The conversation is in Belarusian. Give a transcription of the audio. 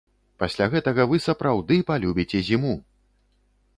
Пасля гэтага вы сапраўды палюбіце зіму!!!